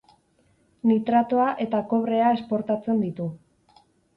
Nitratoa eta kobrea esportatzen ditu.